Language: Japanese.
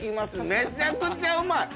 めちゃくちゃうまい！